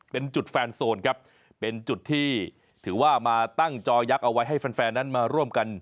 เป็นจุดแฟนโซนครับเป็นจุดที่ถือว่ามาตั้งจอยักษ์เอาไว้ให้แฟนแฟนนั้นมาร่วมกัน